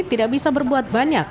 tidak bisa berbuat banyak